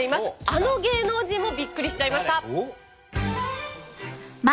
あの芸能人もビックリしちゃいました！